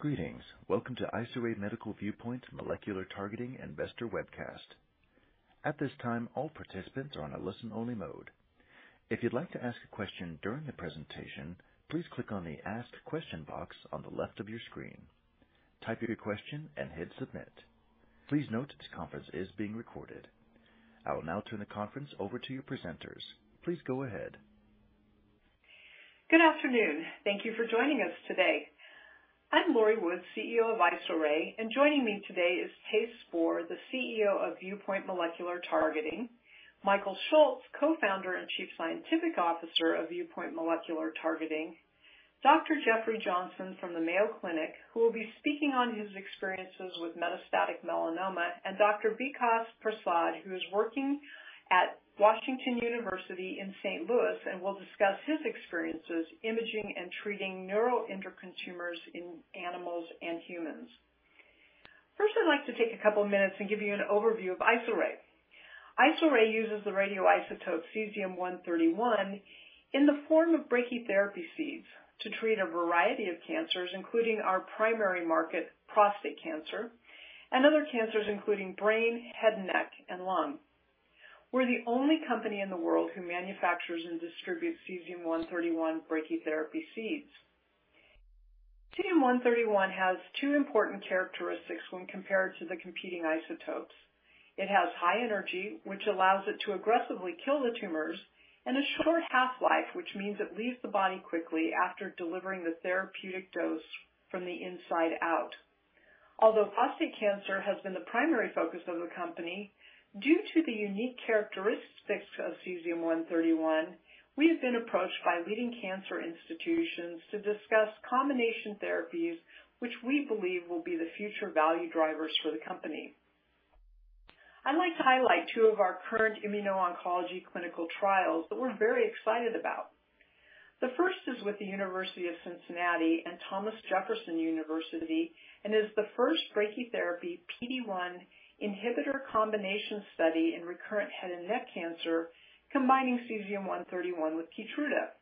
Greetings. Welcome to Isoray and Viewpoint Molecular Targeting Investor Webcast. At this time, all participants are in a listen-only mode. If you'd like to ask a question during the presentation, please click on the ask question box on the left of your screen. Type your question and hit Submit. Please note this conference is being recorded. I will now turn the conference over to your presenters. Please go ahead. Good afternoon. Thank you for joining us today. I'm Lori Woods, CEO of Isoray, and joining me today is Thijs Spoor, the CEO of Viewpoint Molecular Targeting, Michael Schultz, Co-Founder and Chief Scientific Officer of Viewpoint Molecular Targeting, Dr. Jeffrey Johnson from the Mayo Clinic, who will be speaking on his experiences with metastatic melanoma, and Dr. Vikas Prasad, who is working at Washington University in St. Louis and will discuss his experiences imaging and treating neuroendocrine tumors in animals and humans. First, I'd like to take a couple of minutes and give you an overview of Isoray. Isoray uses the radioisotope Cesium-131 in the form of brachytherapy seeds to treat a variety of cancers, including our primary market, prostate cancer, and other cancers including brain, head, neck, and lung. We're the only company in the world who manufactures and distributes Cesium-131 brachytherapy seeds. Cesium-131 has two important characteristics when compared to the competing isotopes. It has high energy, which allows it to aggressively kill the tumors, and a short half-life, which means it leaves the body quickly after delivering the therapeutic dose from the inside out. Although prostate cancer has been the primary focus of the company, due to the unique characteristics of Cesium-131, we have been approached by leading cancer institutions to discuss combination therapies, which we believe will be the future value drivers for the company. I'd like to highlight two of our current immuno-oncology clinical trials that we're very excited about. The first is with the University of Cincinnati and Thomas Jefferson University and is the first brachytherapy PD-1 inhibitor combination study in recurrent head and neck cancer, combining Cesium-131 with Keytruda.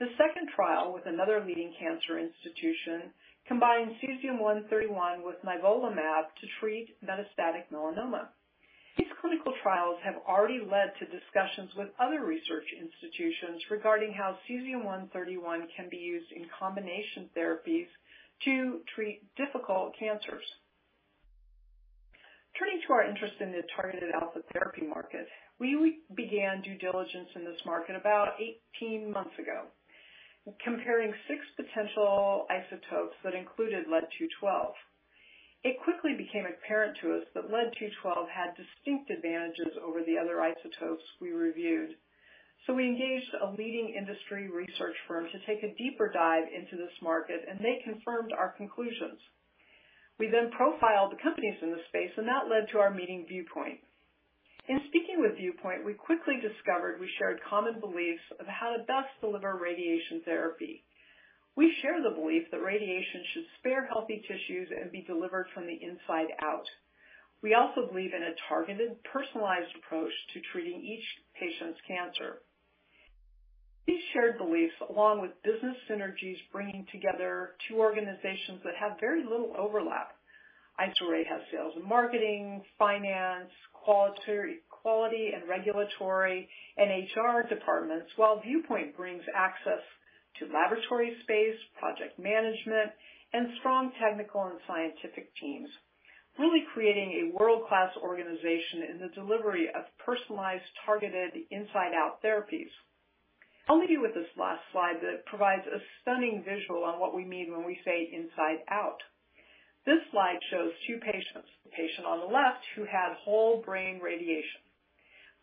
The second trial with another leading cancer institution combines Cesium-131 with nivolumab to treat metastatic melanoma. These clinical trials have already led to discussions with other research institutions regarding how Cesium-131 can be used in combination therapies to treat difficult cancers. Turning to our interest in the targeted alpha therapy market, we began due diligence in this market about 18 months ago, comparing 6 potential isotopes that included Lead-212. It quickly became apparent to us that Lead-212 had distinct advantages over the other isotopes we reviewed. We engaged a leading industry research firm to take a deeper dive into this market, and they confirmed our conclusions. We then profiled the companies in the space, and that led to our meeting Viewpoint. In speaking with Viewpoint, we quickly discovered we shared common beliefs of how to best deliver radiation therapy. We share the belief that radiation should spare healthy tissues and be delivered from the inside out. We also believe in a targeted, personalized approach to treating each patient's cancer. These shared beliefs, along with business synergies, bringing together two organizations that have very little overlap. Isoray has sales and marketing, finance, quality and regulatory and HR departments. While Viewpoint brings access to laboratory space, project management, and strong technical and scientific teams, really creating a world-class organization in the delivery of personalized, targeted inside out therapies. I'll leave you with this last slide that provides a stunning visual on what we mean when we say inside out. This slide shows two patients. The patient on the left who had whole brain radiation.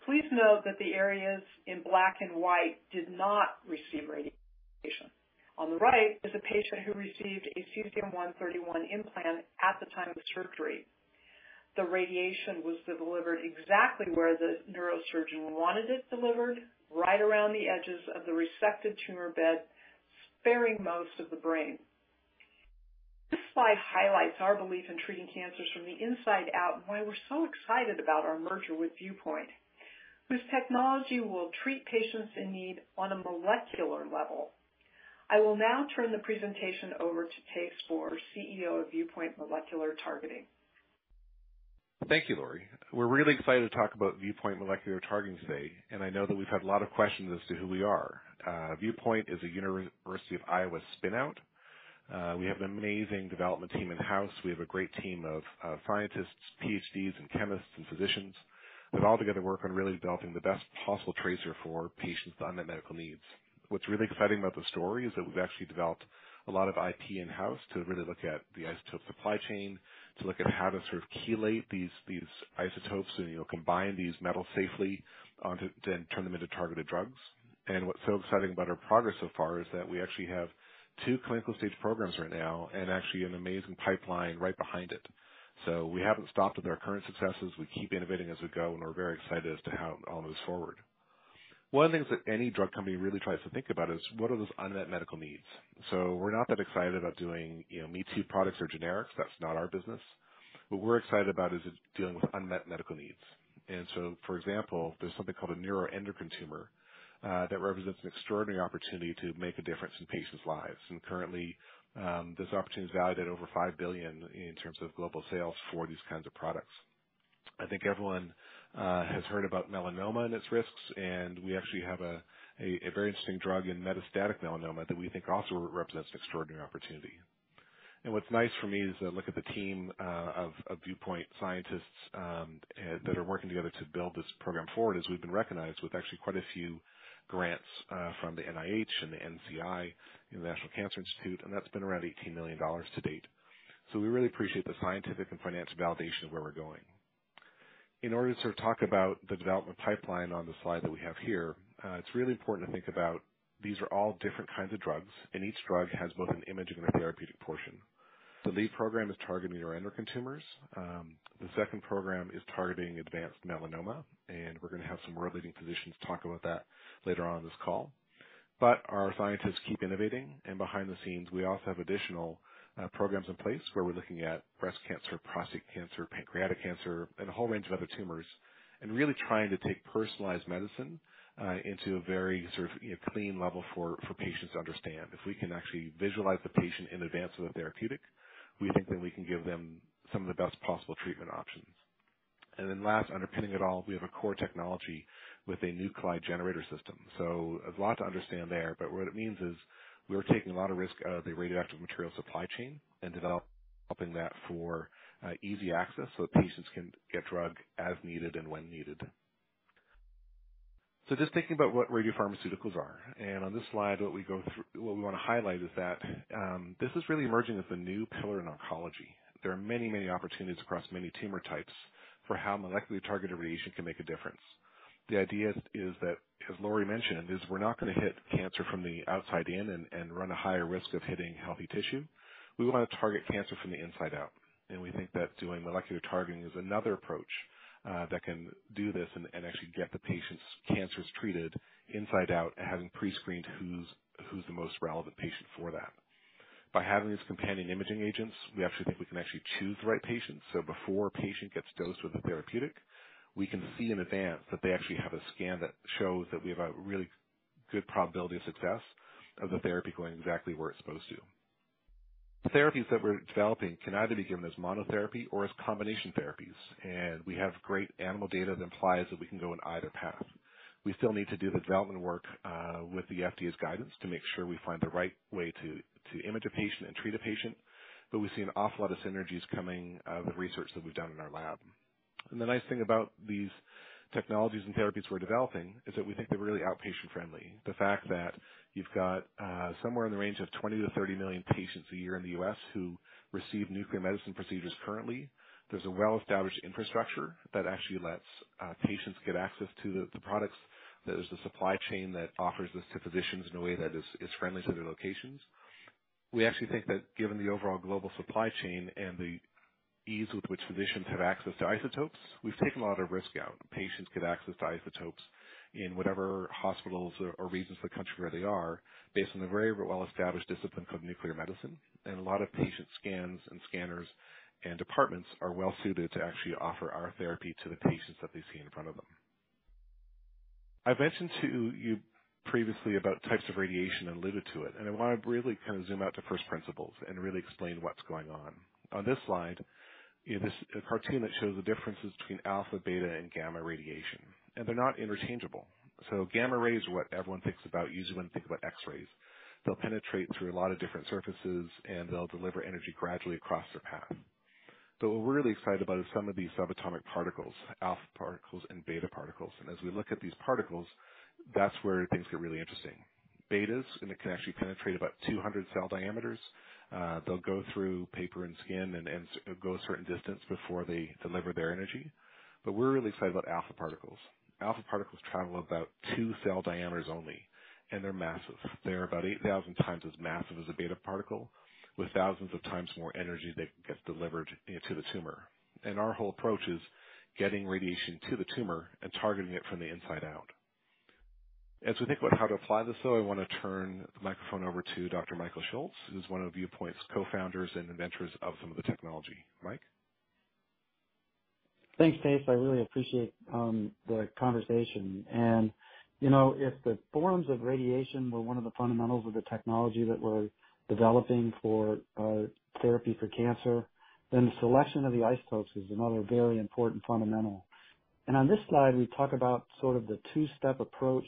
Please note that the areas in black and white did not receive radiation. On the right is a patient who received a Cesium-131 implant at the time of surgery. The radiation was delivered exactly where the neurosurgeon wanted it delivered, right around the edges of the resected tumor bed, sparing most of the brain. This slide highlights our belief in treating cancers from the inside out and why we're so excited about our merger with Viewpoint, whose technology will treat patients in need on a molecular level. I will now turn the presentation over to Thijs Spoor, CEO of Viewpoint Molecular Targeting. Thank you, Lori. We're really excited to talk about Viewpoint Molecular Targeting today, and I know that we've had a lot of questions as to who we are. Viewpoint is a University of Iowa spin out. We have an amazing development team in-house. We have a great team of scientists, PhDs and chemists and physicians who all together work on really developing the best possible tracer for patients' unmet medical needs. What's really exciting about the story is that we've actually developed a lot of IP in-house to really look at the isotope supply chain, to look at how to sort of chelate these isotopes and combine these metals safely, to then turn them into targeted drugs. What's so exciting about our progress so far is that we actually have two clinical stage programs right now and actually an amazing pipeline right behind it. We haven't stopped with our current successes. We keep innovating as we go, and we're very excited as to how it all moves forward. One of the things that any drug company really tries to think about is what are those unmet medical needs. We're not that excited about doing, you know, me-too products or generics. That's not our business. What we're excited about is it's dealing with unmet medical needs. For example, there's something called a neuroendocrine tumor that represents an extraordinary opportunity to make a difference in patients' lives. Currently, this opportunity is valued at over $5 billion in terms of global sales for these kinds of products. I think everyone has heard about melanoma and its risks, and we actually have a very interesting drug in metastatic melanoma that we think also represents an extraordinary opportunity. What's nice for me is I look at the team of Viewpoint scientists that are working together to build this program forward, as we've been recognized with actually quite a few grants from the NIH and the NCI, you know, the National Cancer Institute, and that's been around $18 million to date. We really appreciate the scientific and financial validation of where we're going. In order to sort of talk about the development pipeline on the slide that we have here, it's really important to think about these are all different kinds of drugs, and each drug has both an imaging and a therapeutic portion. The lead program is targeting neuroendocrine tumors. The second program is targeting advanced melanoma, and we're gonna have some world-leading physicians talk about that later on in this call. Our scientists keep innovating, and behind the scenes, we also have additional programs in place where we're looking at breast cancer, prostate cancer, pancreatic cancer, and a whole range of other tumors, and really trying to take personalized medicine into a very sort of, you know, clean level for patients to understand. If we can actually visualize the patient in advance with a therapeutic, we think that we can give them some of the best possible treatment options. Then last, underpinning it all, we have a core technology with a nuclide generator system. There's a lot to understand there, but what it means is we're taking a lot of risk out of the radioactive material supply chain and developing that for easy access so that patients can get drug as needed and when needed. Just thinking about what radiopharmaceuticals are, and on this slide, what we go through, what we wanna highlight is that this is really emerging as the new pillar in oncology. There are many, many opportunities across many tumor types for how molecularly targeted radiation can make a difference. The idea is that, as Lori mentioned, we're not gonna hit cancer from the outside in and run a higher risk of hitting healthy tissue. We wanna target cancer from the inside out, and we think that doing molecular targeting is another approach that can do this and actually get the patient's cancers treated inside out and having pre-screened who's the most relevant patient for that. By having these companion imaging agents, we actually think we can actually choose the right patient. Before a patient gets dosed with a therapeutic, we can see in advance that they actually have a scan that shows that we have a really good probability of success of the therapy going exactly where it's supposed to. The therapies that we're developing can either be given as monotherapy or as combination therapies, and we have great animal data that implies that we can go in either path. We still need to do the development work with the FDA's guidance to make sure we find the right way to image a patient and treat a patient. We've seen an awful lot of synergies coming out of the research that we've done in our lab. The nice thing about these technologies and therapies we're developing is that we think they're really outpatient-friendly. The fact that you've got somewhere in the range of 20-30 million patients a year in the U.S. who receive nuclear medicine procedures currently. There's a well-established infrastructure that actually lets patients get access to the products. There's the supply chain that offers this to physicians in a way that is friendly to their locations. We actually think that given the overall global supply chain and the ease with which physicians have access to isotopes, we've taken a lot of risk out. Patients get access to isotopes in whatever hospitals or regions of the country where they are based on the very well-established discipline called nuclear medicine. A lot of patient scans and scanners and departments are well suited to actually offer our therapy to the patients that they see in front of them. I've mentioned to you previously about types of radiation and alluded to it, and I wanna really kind of zoom out to first principles and really explain what's going on. On this slide, you know, this a cartoon that shows the differences between alpha, beta, and gamma radiation, and they're not interchangeable. Gamma rays are what everyone thinks about usually when they think about X-rays. They'll penetrate through a lot of different surfaces, and they'll deliver energy gradually across their path. What we're really excited about is some of these subatomic particles, alpha particles and beta particles. As we look at these particles, that's where things get really interesting. Betas, it can actually penetrate about 200 cell diameters. They'll go through paper and skin and go a certain distance before they deliver their energy. We're really excited about alpha particles. Alpha particles travel about two cell diameters only, and they're massive. They're about 8,000 times as massive as a beta particle with thousands of times more energy that gets delivered into the tumor. Our whole approach is getting radiation to the tumor and targeting it from the inside out. As we think about how to apply this, though, I wanna turn the microphone over to Dr. Michael Schultz, who's one of Viewpoint's co-founders and inventors of some of the technology. Michael? Thanks, Thijs. I really appreciate the conversation. You know, if the forms of radiation were one of the fundamentals of the technology that we're developing for therapy for cancer, then the selection of the isotopes is another very important fundamental. On this slide, we talk about sort of the two-step approach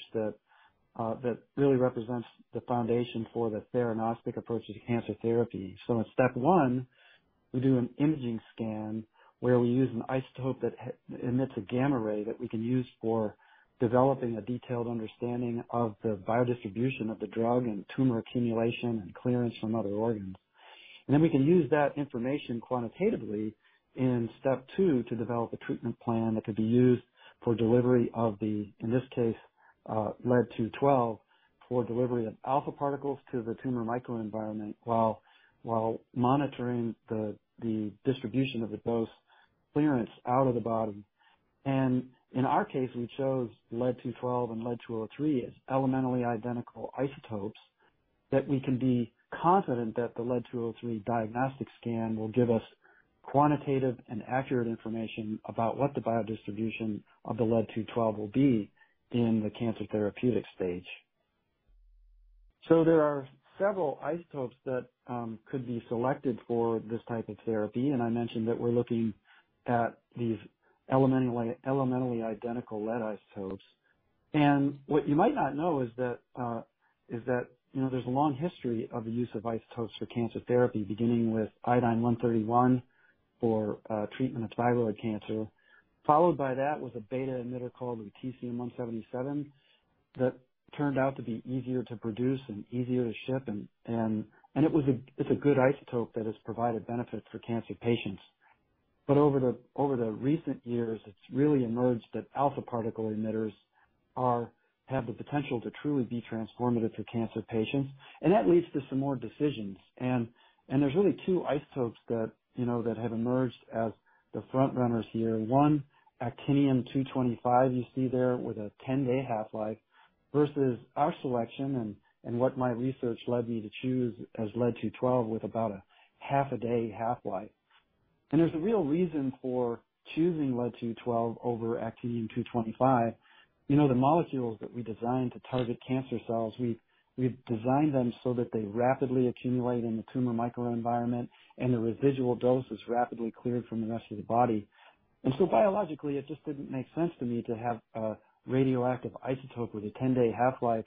that really represents the foundation for the theranostic approach to cancer therapy. In step one, we do an imaging scan where we use an isotope that emits a gamma ray that we can use for developing a detailed understanding of the biodistribution of the drug and tumor accumulation and clearance from other organs. Then we can use that information quantitatively in step two to develop a treatment plan that could be used for delivery of the, in this case, Lead-212 for delivery of alpha particles to the tumor microenvironment while monitoring the distribution of the dose clearance out of the body. In our case, we chose Lead-212 and Lead-203 as elementally identical isotopes. That we can be confident that the Lead-203 diagnostic scan will give us quantitative and accurate information about what the biodistribution of the Lead-212 will be in the cancer therapeutic stage. There are several isotopes that could be selected for this type of therapy, and I mentioned that we're looking at these elementally identical lead isotopes. What you might not know is that you know there's a long history of the use of isotopes for cancer therapy, beginning with Iodine-131 for treatment of thyroid cancer. Followed by that was a beta emitter called the Lu-177 that turned out to be easier to produce and easier to ship and it's a good isotope that has provided benefit for cancer patients. Over the recent years, it's really emerged that alpha particle emitters have the potential to truly be transformative to cancer patients. That leads to some more decisions. And there's really two isotopes that you know that have emerged as the front runners here. One, Actinium-225, you see there with a 10-day half-life, versus our selection and what my research led me to choose as Lead-212 with about a half a day half-life. There's a real reason for choosing Lead-212 over Actinium-225. You know, the molecules that we designed to target cancer cells, we've designed them so that they rapidly accumulate in the tumor microenvironment, and the residual dose is rapidly cleared from the rest of the body. Biologically, it just didn't make sense to me to have a radioactive isotope with a 10-day half-life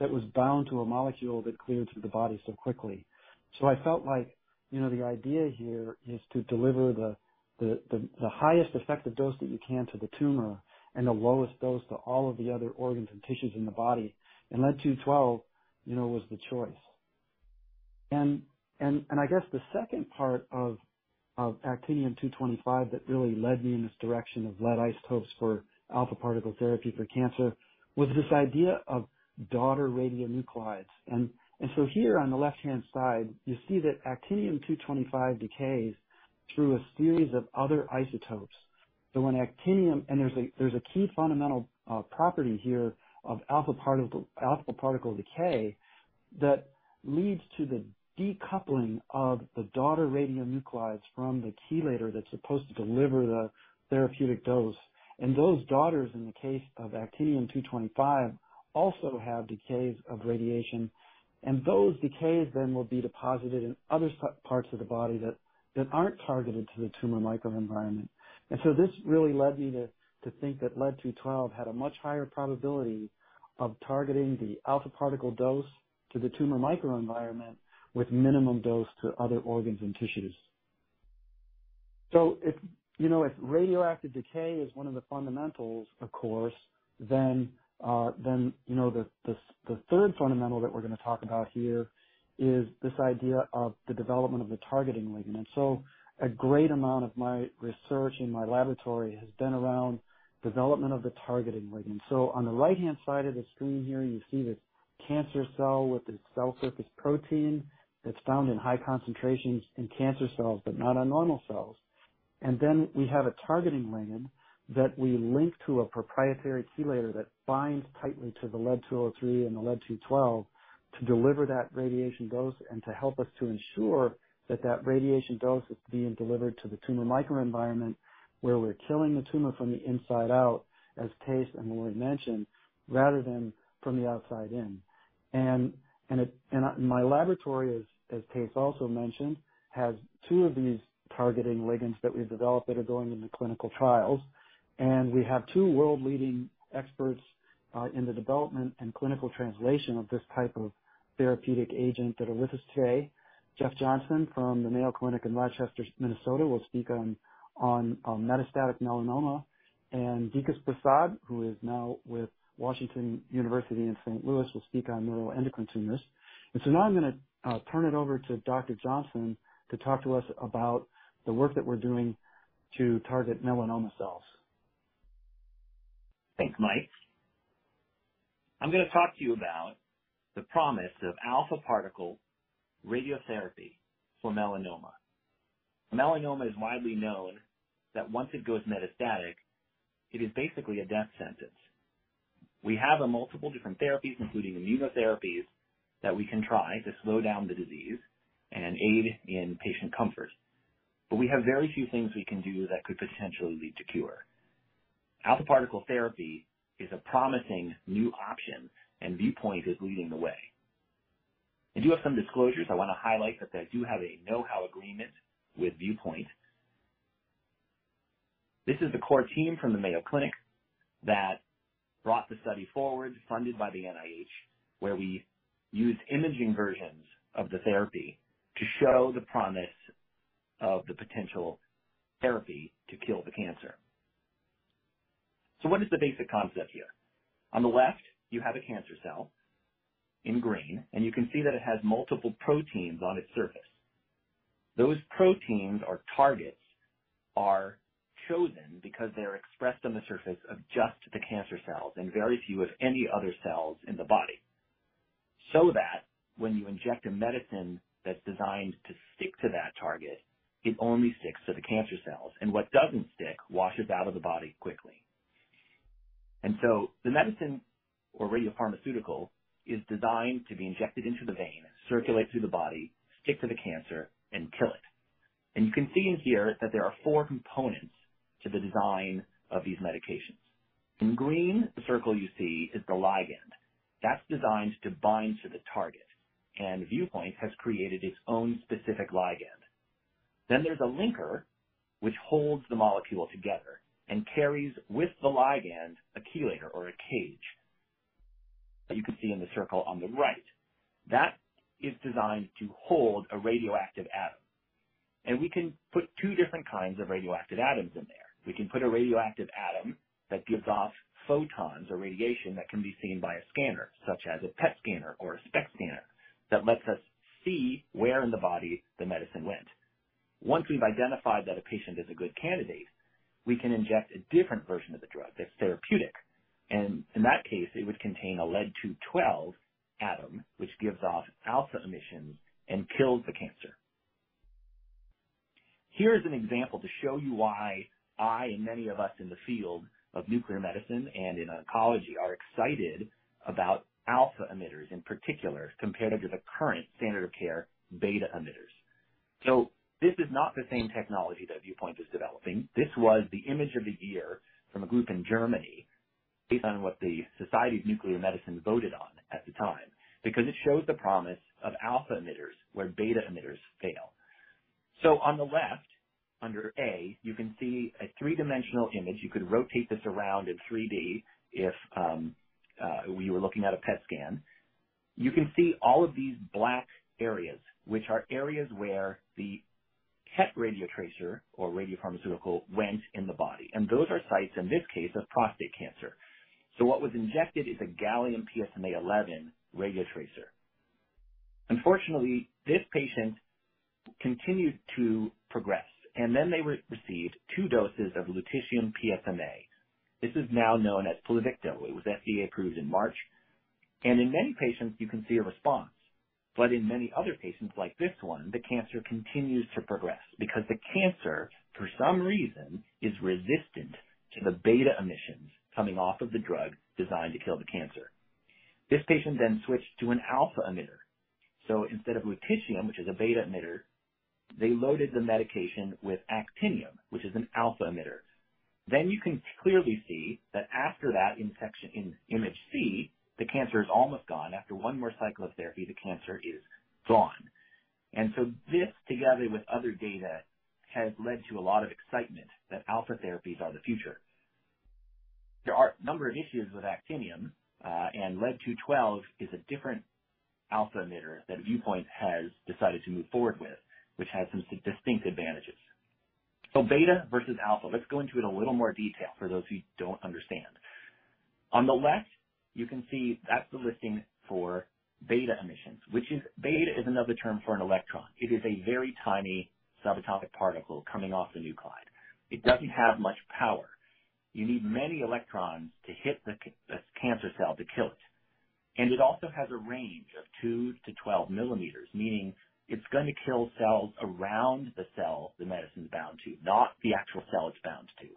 that was bound to a molecule that cleared through the body so quickly. I felt like, you know, the idea here is to deliver the highest effective dose that you can to the tumor and the lowest dose to all of the other organs and tissues in the body, and Lead-212, you know, was the choice. I guess the second part of Actinium-225 that really led me in this direction of lead isotopes for alpha particle therapy for cancer was this idea of daughter radionuclides. Here on the left-hand side, you see that Actinium-225 decays through a series of other isotopes. When actinium, there's a key fundamental property here of alpha particle decay that leads to the decoupling of the daughter radionuclides from the chelator that's supposed to deliver the therapeutic dose. Those daughters, in the case of Actinium-225, also have decays of radiation, and those decays then will be deposited in other parts of the body that aren't targeted to the tumor microenvironment. This really led me to think that Lead-212 had a much higher probability of targeting the alpha particle dose to the tumor microenvironment with minimum dose to other organs and tissues. If you know, if radioactive decay is one of the fundamentals, of course, then you know, the third fundamental that we're gonna talk about here is this idea of the development of the targeting ligand. A great amount of my research in my laboratory has been around development of the targeting ligand. On the right-hand side of the screen here, you see this cancer cell with its cell surface protein that's found in high concentrations in cancer cells, but not on normal cells. We have a targeting ligand that we link to a proprietary chelator that binds tightly to the Lead-203 and the Lead-212 to deliver that radiation dose and to help us to ensure that that radiation dose is being delivered to the tumor microenvironment where we're killing the tumor from the inside out, as Tas and Lloyd mentioned, rather than from the outside in. My laboratory, as Tas also mentioned, has two of these targeting ligands that we've developed that are going into clinical trials. We have two world-leading experts in the development and clinical translation of this type of therapeutic agent that are with us today. Jeff Johnson from the Mayo Clinic in Rochester, Minnesota, will speak on metastatic melanoma, and Vikas Prasad, who is now with Washington University in St. Louis, will speak on neuroendocrine tumors. Now I'm gonna turn it over to Dr. Johnson to talk to us about the work that we're doing to target melanoma cells. Thanks, Michael. I'm gonna talk to you about the promise of alpha particle radiotherapy for melanoma. Melanoma is widely known that once it goes metastatic, it is basically a death sentence. We have a multiple different therapies, including immunotherapies, that we can try to slow down the disease and aid in patient comfort. But we have very few things we can do that could potentially lead to cure. Alpha particle therapy is a promising new option, and Viewpoint is leading the way. I do have some disclosures. I wanna highlight that I do have a know-how agreement with Viewpoint. This is the core team from the Mayo Clinic that brought the study forward, funded by the NIH, where we used imaging versions of the therapy to show the promise of the potential therapy to kill the cancer. What is the basic concept here? On the left, you have a cancer cell in green, and you can see that it has multiple proteins on its surface. Those proteins or targets are chosen because they're expressed on the surface of just the cancer cells and very few of any other cells in the body, so that when you inject a medicine that's designed to stick to that target, it only sticks to the cancer cells. What doesn't stick washes out of the body quickly. The medicine or radiopharmaceutical is designed to be injected into the vein, circulate through the body, stick to the cancer, and kill it. You can see in here that there are four components to the design of these medications. In green, the circle you see is the ligand. That's designed to bind to the target, and Viewpoint has created its own specific ligand. There's a linker which holds the molecule together and carries with the ligand a chelator or a cage that you can see in the circle on the right. That is designed to hold a radioactive atom. We can put two different kinds of radioactive atoms in there. We can put a radioactive atom that gives off photons or radiation that can be seen by a scanner, such as a PET scanner or a SPECT scanner, that lets us see where in the body the medicine went. Once we've identified that a patient is a good candidate, we can inject a different version of the drug that's therapeutic, and in that case, it would contain a lead-two-twelve atom, which gives off alpha emissions and kills the cancer. Here is an example to show you why I and many of us in the field of nuclear medicine and in oncology are excited about alpha emitters in particular, compared to the current standard of care beta emitters. This is not the same technology that Viewpoint is developing. This was the image of the year from a group in Germany based on what the Society of Nuclear Medicine voted on at the time, because it shows the promise of alpha emitters where beta emitters fail. On the left under A, you can see a three-dimensional image. You could rotate this around in 3D if we were looking at a PET scan. You can see all of these black areas, which are areas where the PET radiotracer or radiopharmaceutical went in the body, and those are sites, in this case, of prostate cancer. What was injected is a Gallium PSMA-11 radiotracer. Unfortunately, this patient continued to progress, and then they received two doses of lutetium PSMA. This is now known as Pluvicto. It was FDA approved in March. In many patients you can see a response, but in many other patients like this one, the cancer continues to progress because the cancer for some reason is resistant to the beta emissions coming off of the drug designed to kill the cancer. This patient then switched to an alpha emitter, so instead of lutetium, which is a beta emitter, they loaded the medication with actinium, which is an alpha emitter. You can clearly see that after that injection in image C, the cancer is almost gone. After one more cycle of therapy, the cancer is gone. This, together with other data, has led to a lot of excitement that alpha therapies are the future. There are a number of issues with actinium, and Lead-212 is a different alpha emitter that Viewpoint has decided to move forward with, which has some distinct advantages. Beta versus alpha. Let's go into it in a little more detail for those of you who don't understand. On the left, you can see that's the listing for beta emissions, which is beta is another term for an electron. It is a very tiny subatomic particle coming off the nuclide. It doesn't have much power. You need many electrons to hit the cancer cell to kill it, and it also has a range of 2-12 millimeters, meaning it's gonna kill cells around the cell the medicine's bound to, not the actual cell it's bound to.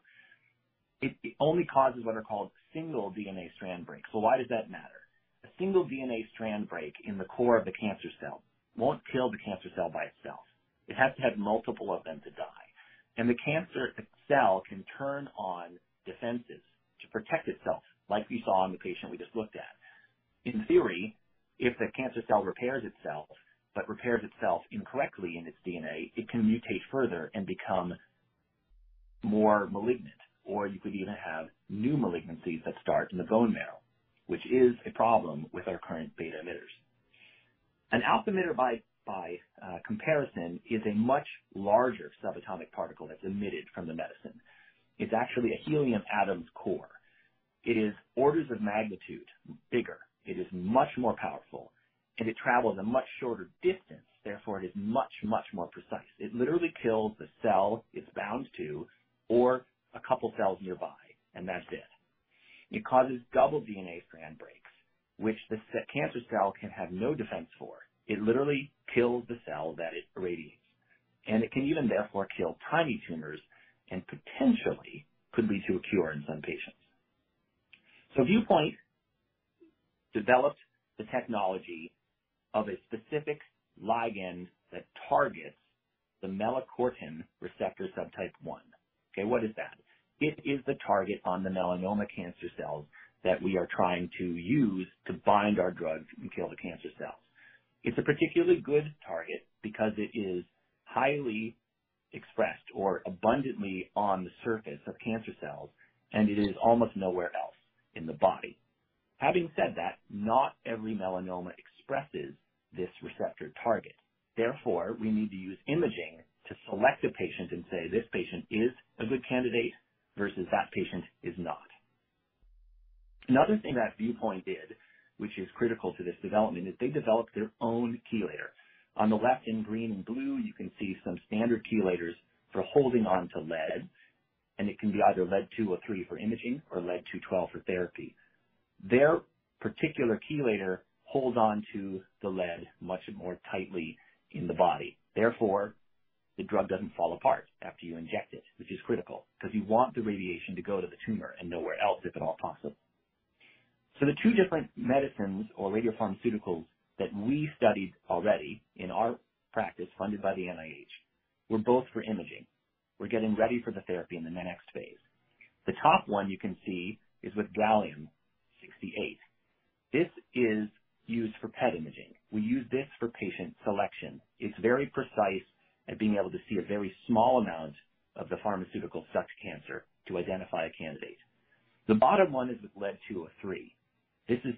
It only causes what are called single DNA strand breaks. Why does that matter? A single DNA strand break in the core of the cancer cell won't kill the cancer cell by itself. It has to have multiple of them to die, and the cancer cell can turn on defenses to protect itself like we saw in the patient we just looked at. In theory, if the cancer cell repairs itself but repairs itself incorrectly in its DNA, it can mutate further and become more malignant. You could even have new malignancies that start in the bone marrow, which is a problem with our current beta emitters. An alpha emitter by comparison is a much larger subatomic particle that's emitted from the medicine. It's actually a helium atom's core. It is orders of magnitude bigger. It is much more powerful, and it travels a much shorter distance. Therefore, it is much, much more precise. It literally kills the cell it's bound to or a couple cells nearby, and that's it. It causes double DNA strand breaks, which the cancer cell can have no defense for. It literally kills the cell that it radiates, and it can even therefore kill tiny tumors and potentially could lead to a cure in some patients. Viewpoint developed the technology of a specific ligand that targets the melanocortin 1 receptor. Okay, what is that? It is the target on the melanoma cancer cells that we are trying to use to bind our drugs and kill the cancer cells. It's a particularly good target because it is highly expressed or abundantly on the surface of cancer cells, and it is almost nowhere else in the body. Having said that, not every melanoma expresses this receptor target. Therefore, we need to use imaging to select a patient and say, "This patient is a good candidate," versus, "That patient is not." Another thing that Viewpoint did, which is critical to this development, is they developed their own chelator. On the left in green and blue, you can see some standard chelators for holding on to lead, and it can be either Lead-203 for imaging or Lead-212 for therapy. Their particular chelator holds on to the lead much more tightly in the body. Therefore, the drug doesn't fall apart after you inject it, which is critical because you want the radiation to go to the tumor and nowhere else, if at all possible. The two different medicines or radiopharmaceuticals that we studied already in our practice funded by the NIH were both for imaging. We're getting ready for the therapy in the next phase. The top one you can see is with gallium-68. This is used for PET imaging. We use this for patient selection. It's very precise at being able to see a very small amount of the pharmaceutical in such cancer to identify a candidate. The bottom one is with Lead-203. This is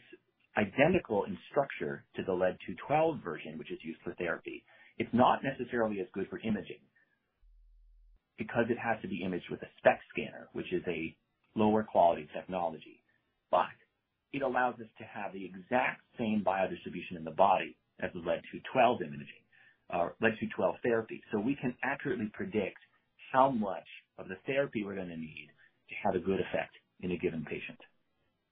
identical in structure to the Lead-212 version, which is used for therapy. It's not necessarily as good for imaging because it has to be imaged with a SPECT scanner, which is a lower quality technology. It allows us to have the exact same biodistribution in the body as the Lead-212 imaging or Lead-212 therapy. We can accurately predict how much of the therapy we're gonna need to have a good effect in a given patient.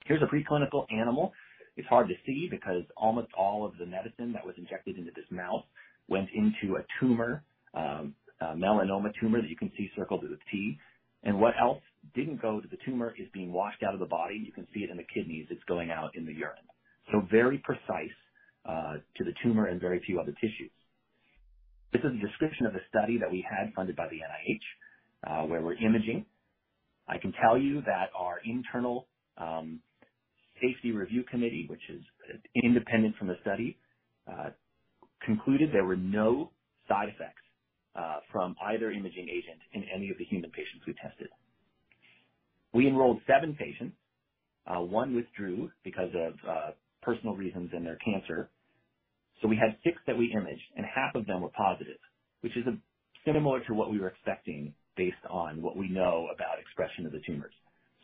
Here's a preclinical animal. It's hard to see because almost all of the medicine that was injected into this mouse went into a tumor, a melanoma tumor that you can see circled with a T. What else didn't go to the tumor is being washed out of the body. You can see it in the kidneys. It's going out in the urine. Very precise to the tumor and very few other tissues. This is a description of a study that we had funded by the NIH, where we're imaging. I can tell you that our internal safety review committee, which is independent from the study, concluded there were no side effects from either imaging agent in any of the human patients we tested. We enrolled seven patients. One withdrew because of personal reasons and their cancer. We had six that we imaged, and half of them were positive, which is similar to what we were expecting based on what we know about expression of the tumors.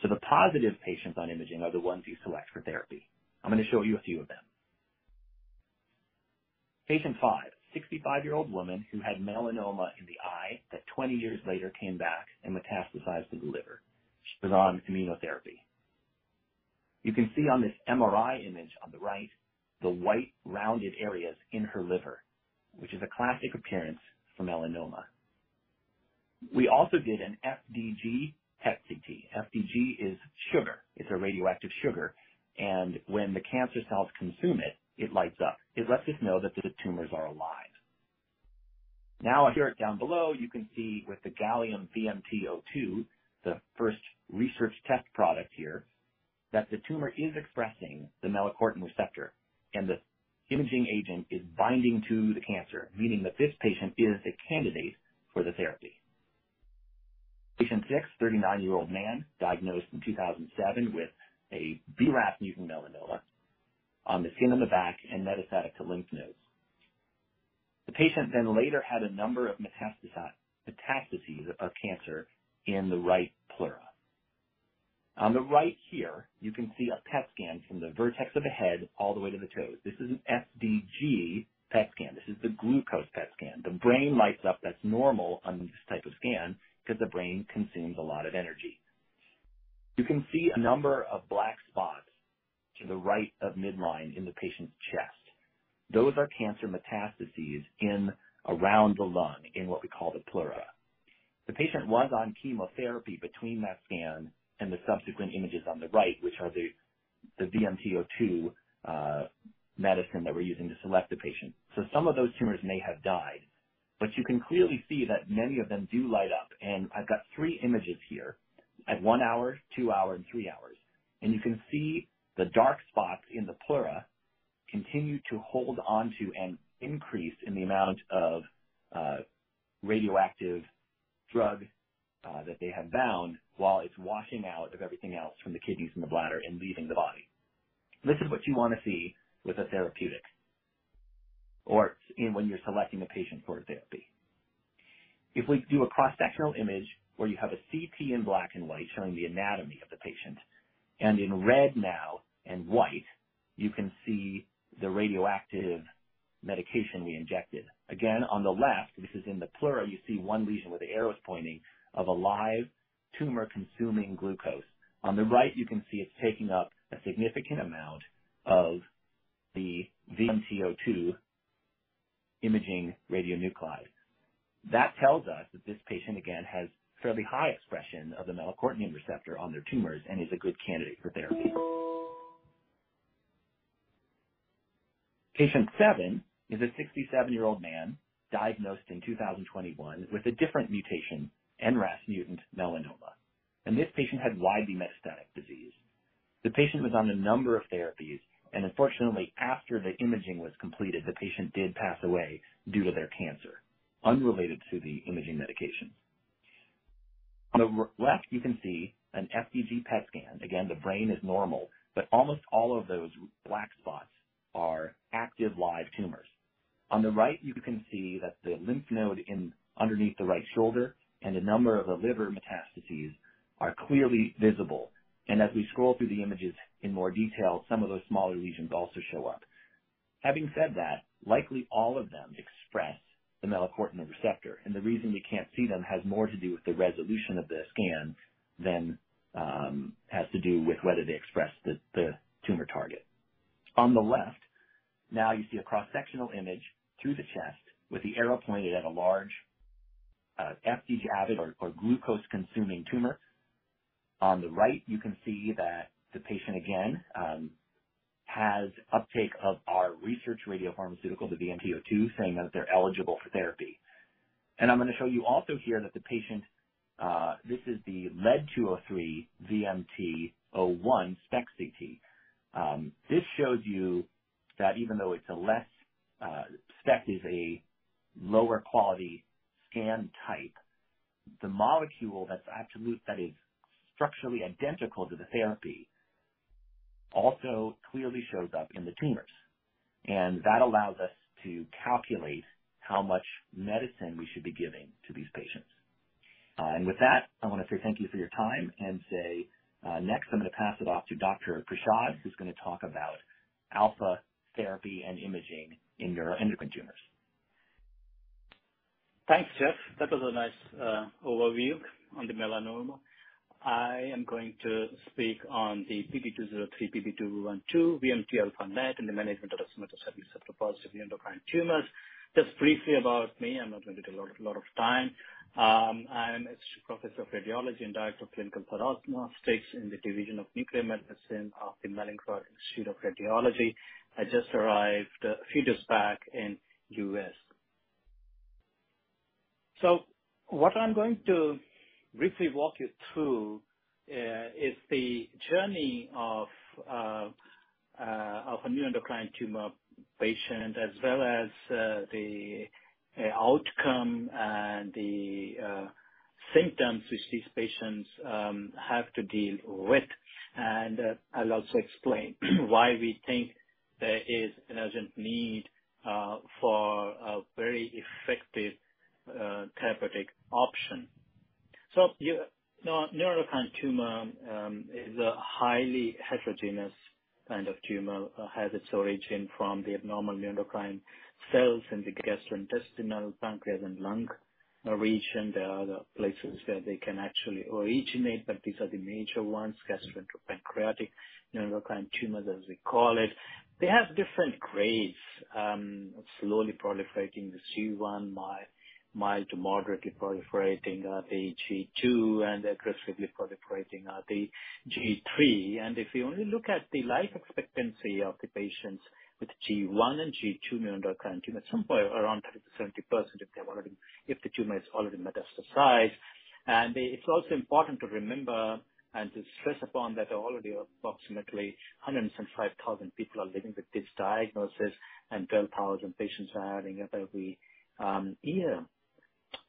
The positive patients on imaging are the ones you select for therapy. I'm gonna show you a few of them. Patient five, 65-year-old woman who had melanoma in the eye that 20 years later came back and metastasized to the liver. She was on immunotherapy. You can see on this MRI image on the right, the white rounded areas in her liver, which is a classic appearance for melanoma. We also did an FDG PET/CT. FDG is sugar. It's a radioactive sugar, and when the cancer cells consume it lights up. It lets us know that the tumors are alive. Now, here down below, you can see with the gallium VMT01, the first research test product here, that the tumor is expressing the melanocortin receptor, and the imaging agent is binding to the cancer, meaning that this patient is a candidate for the therapy. Patient six, 39-year-old man diagnosed in 2007 with a BRAF mutant melanoma on the skin on the back and metastatic to lymph nodes. The patient then later had a number of metastases of cancer in the right pleura. On the right here, you can see a PET scan from the vertex of the head all the way to the toes. This is an FDG PET scan. This is the glucose PET scan. The brain lights up, that's normal on this type of scan because the brain consumes a lot of energy. You can see a number of black spots to the right of midline in the patient's chest. Those are cancer metastases in and around the lung in what we call the pleura. The patient was on chemotherapy between that scan and the subsequent images on the right, which are the VMT-02 medicine that we're using to select the patient. Some of those tumors may have died, but you can clearly see that many of them do light up. I've got three images here at one hour, two hour, and three hours. You can see the dark spots in the pleura continue to hold onto an increase in the amount of radioactive drug that they have bound while it's washing out of everything else from the kidneys and the bladder and leaving the body. This is what you wanna see with a theranostic when you're selecting a patient for a therapy. If we do a cross-sectional image where you have a CT in black and white showing the anatomy of the patient, and in red and white, you can see the radioactive medication we injected. Again, on the left, this is in the pleura, you see one lesion where the arrow is pointing to a live tumor consuming glucose. On the right, you can see it's taking up a significant amount of the VMT01 imaging radionuclide. That tells us that this patient again has fairly high expression of the melanocortin receptor on their tumors and is a good candidate for therapy. Patient seven is a 67-year-old man diagnosed in 2021 with a different mutation, NRAS-mutant melanoma. This patient had widely metastatic disease. The patient was on a number of therapies, and unfortunately, after the imaging was completed, the patient did pass away due to their cancer, unrelated to the imaging medication. On the left, you can see an FDG PET scan. Again, the brain is normal, but almost all of those black spots are active live tumors. On the right, you can see that the lymph node just underneath the right shoulder and a number of the liver metastases are clearly visible. As we scroll through the images in more detail, some of those smaller lesions also show up. Having said that, likely all of them express the melanocortin receptor, and the reason you can't see them has more to do with the resolution of the scan than has to do with whether they express the tumor target. On the left, now you see a cross-sectional image through the chest with the arrow pointed at a large, FDG avid or glucose-consuming tumor. On the right, you can see that the patient again, has uptake of our research radiopharmaceutical, the VMT01, saying that they're eligible for therapy. I'm gonna show you also here that the patient, this is the Lead-203 VMT01 SPECT CT. This shows you that even though it's a less, SPECT is a lower quality scan type, the molecule that's absolutely, that is structurally identical to the therapy also clearly shows up in the tumors. That allows us to calculate how much medicine we should be giving to these patients. With that, I wanna say thank you for your time and say, next I'm gonna pass it off to Dr. Vikas Prasad, who's gonna talk about alpha therapy and imaging in neuroendocrine tumors. Thanks, Jeff. That was a nice overview on the melanoma. I am going to speak on the Pb-203, Pb-212 VMT-α-NET in the management of somatostatin receptor-positive neuroendocrine tumors. Just briefly about me, I'm not going to take a lot of time. I am a professor of radiology and director of clinical diagnostics in the division of nuclear medicine of the Mallinckrodt Institute of Radiology. I just arrived a few days back in the U.S. What I'm going to briefly walk you through is the journey of a neuroendocrine tumor patient, as well as the outcome and the symptoms which these patients have to deal with. I'll also explain why we think there is an urgent need for a very effective therapeutic option. You Neuroendocrine tumor is a highly heterogeneous kind of tumor. It has its origin from the abnormal neuroendocrine cells in the gastrointestinal, pancreas, and lung region. There are other places where they can actually originate, but these are the major ones, gastroenteropancreatic neuroendocrine tumors, as we call it. They have different grades, slowly proliferating, the G1, mild to moderately proliferating are the G2, and aggressively proliferating are the G3. If you only look at the life expectancy of the patients with G1 and G2 neuroendocrine tumor, somewhere around 30%-70% if the tumor is already metastasized. It's also important to remember and to stress upon that already approximately 175,000 people are living with this diagnosis, and 12,000 patients are adding up every year.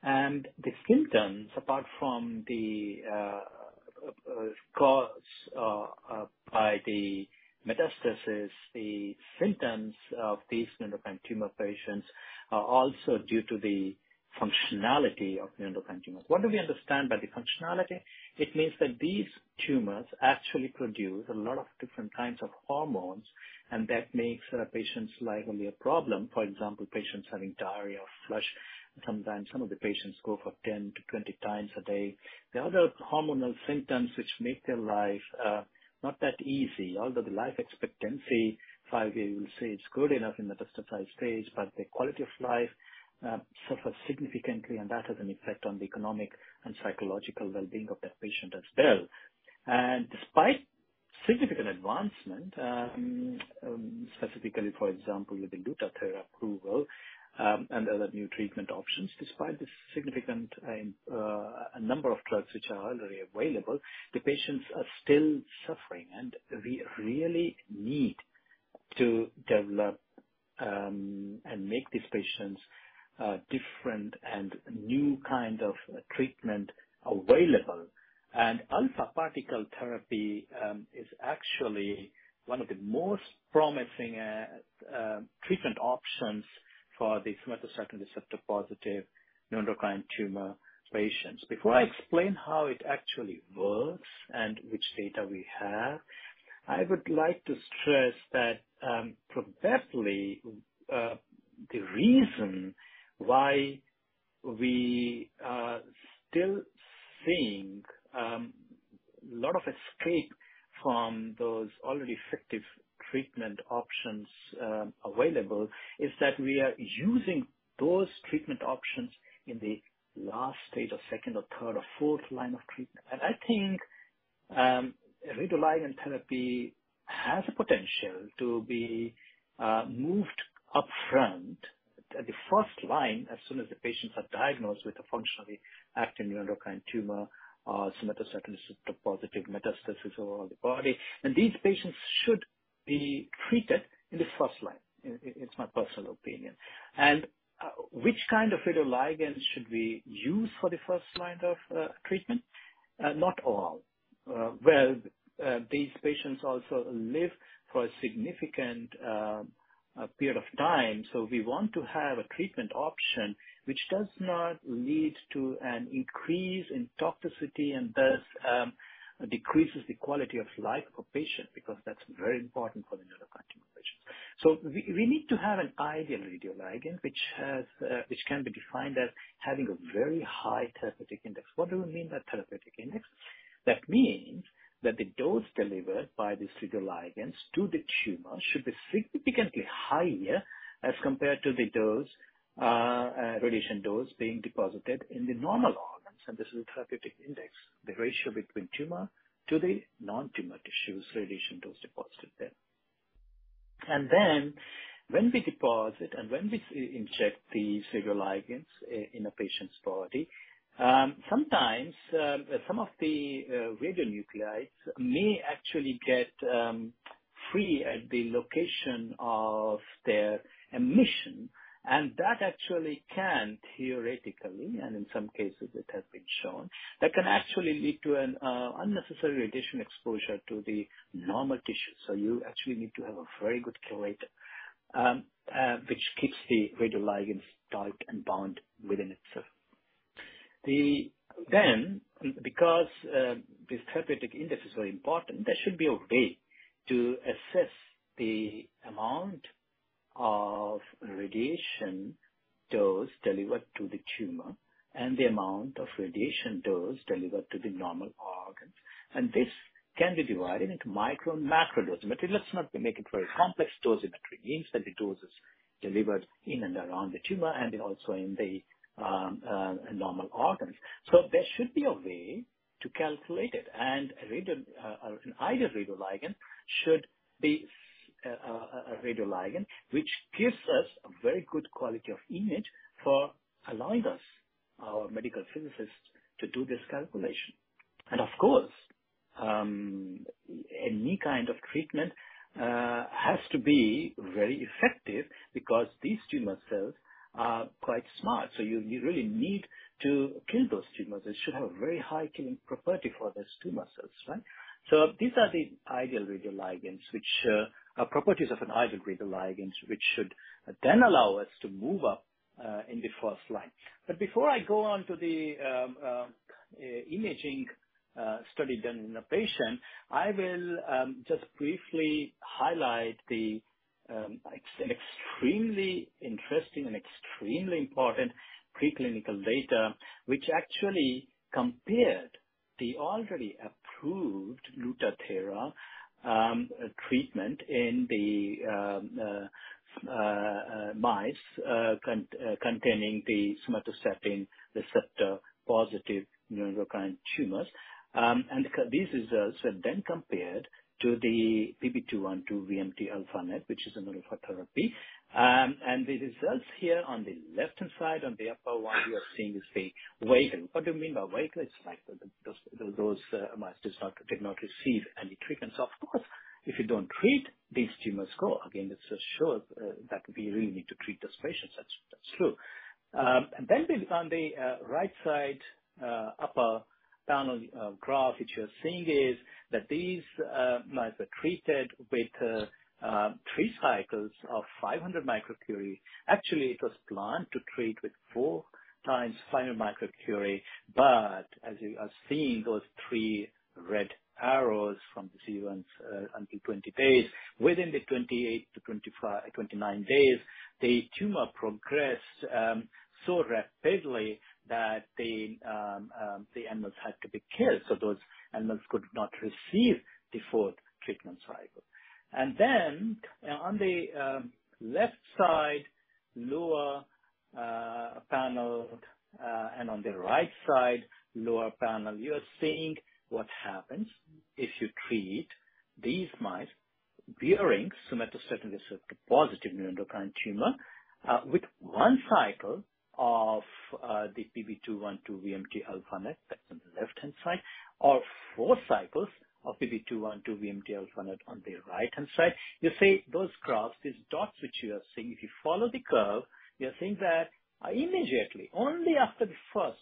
The symptoms, apart from those caused by the metastasis, the symptoms of these neuroendocrine tumor patients are also due to the functionality of neuroendocrine tumors. What do we understand by the functionality? It means that these tumors actually produce a lot of different kinds of hormones, and that makes a patient's life only a problem. For example, patients having diarrhea or flushing. Sometimes some of the patients go 10-20 times a day. The other hormonal symptoms which make their life not that easy, although the life expectancy 5 years, say, it's good enough in metastasized stage, but the quality of life suffers significantly, and that has an effect on the economic and psychological well-being of that patient as well. Despite significant advancement, specifically, for example, with the Lutathera approval, and other new treatment options, despite the significant number of drugs which are already available, the patients are still suffering. We really need to develop and make these patients a different and new kind of treatment available. Alpha particle therapy is actually one of the most promising treatment options for the somatostatin receptor-positive neuroendocrine tumor patients. Before I explain how it actually works and which data we have, I would like to stress that, probably, the reason why we are still seeing lot of escape from those already effective treatment options available is that we are using those treatment options in the last stage of second or third or fourth line of treatment. I think radioligand therapy has a potential to be moved upfront at the first line as soon as the patients are diagnosed with a functionally active neuroendocrine tumor or somatostatin receptor-positive metastasis all over the body. These patients should be treated in the first line. It's my personal opinion. Which kind of radioligand should we use for the first line of treatment? Not all. Well, these patients also live for a significant period of time, so we want to have a treatment option which does not lead to an increase in toxicity and thus decreases the quality of life for patient because that's very important for the neuroendocrine tumor. We need to have an ideal radioligand which can be defined as having a very high therapeutic index. What do we mean by therapeutic index? That means that the dose delivered by these radioligands to the tumor should be significantly higher as compared to the dose, radiation dose being deposited in the normal organs, and this is a therapeutic index, the ratio between tumor to the non-tumor tissues radiation dose deposited there. When we deposit and inject the radioligands in a patient's body, sometimes some of the radionuclides may actually get free at the location of their emission. That actually can theoretically, and in some cases it has been shown, that can actually lead to an unnecessary radiation exposure to the normal tissue. You actually need to have a very good chelator, which keeps the radioligands tight and bound within itself. Because this therapeutic index is very important, there should be a way to assess the amount of radiation dose delivered to the tumor and the amount of radiation dose delivered to the normal organs. This can be divided into micro and macro dosimetry. Let's not make it very complex dosimetry. It means that the dose is delivered in and around the tumor and also in the normal organs. There should be a way to calculate it. An ideal radioligand should be a radioligand which gives us a very good quality of image for allowing us, our medical physicists, to do this calculation. Of course, any kind of treatment has to be very effective because these tumor cells are quite smart. You really need to kill those tumor cells. It should have very high killing property for those tumor cells, right? These are the ideal radioligands which are properties of an ideal radioligands which should then allow us to move up in the first line. Before I go on to the imaging study done in a patient, I will just briefly highlight the extremely interesting and extremely important preclinical data which actually compared the already approved Lutathera treatment in the mice containing the somatostatin receptor positive neuroendocrine tumors. These results are then compared to the Pb-212 VMT-α-NET, which is a neurotherapy. The results here on the left-hand side, on the upper one you are seeing is the vehicle. What do you mean by vehicle? It's like those mice did not receive any treatment. Of course, if you don't treat, these tumors grow. Again, this just shows that we really need to treat those patients. That's true. Then we look on the right side, upper panel, graph, which you are seeing is that these mice are treated with three cycles of 500 microcurie. Actually, it was planned to treat with four times 500 microcurie, but as you are seeing those three red arrows from zero until 20 days, within the 28-29 days, the tumor progressed so rapidly that the animals had to be killed so those animals could not receive the fourth treatment cycle. Then on the left side lower panel and on the right side lower panel, you are seeing what happens if you treat these mice bearing somatostatin receptor positive neuroendocrine tumor with one cycle of the Pb-212 VMT-α-NET, that's on the left-hand side, or four cycles of Pb-212 VMT-α-NET on the right-hand side. You see those graphs, these dots which you are seeing, if you follow the curve, you are seeing that immediately, only after the first,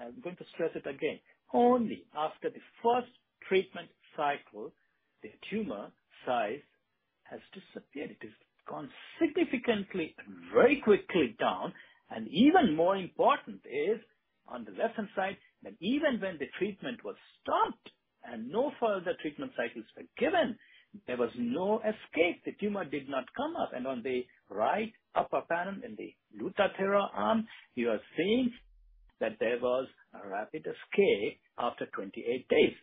I'm going to stress it again, only after the first treatment cycle, the tumor size has disappeared. It has gone significantly and very quickly down. Even more important is on the left-hand side that even when the treatment was stopped and no further treatment cycles were given, there was no escape. The tumor did not come up. On the right upper panel in the Lutathera arm, you are seeing that there was a rapid escape after 28 days.